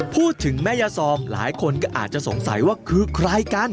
พูดถึงแม่ยาซอมหลายคนก็อาจจะสงสัยว่าคือใครกัน